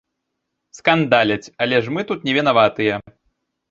Скандаляць, але ж мы тут не вінаватыя.